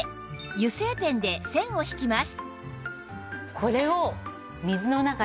油性ペンで線を引きます